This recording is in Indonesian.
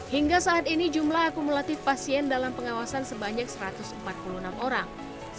hingga saat ini jumlah akumulatif pasien dalam pengawasan sebanyak satu ratus empat puluh enam orang